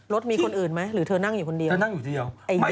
รถมีคนอื่นไหมหรือเธอนั่งอยู่คนเดียว